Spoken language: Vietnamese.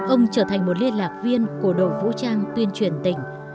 ông trở thành một liên lạc viên của đội vũ trang tuyên truyền tỉnh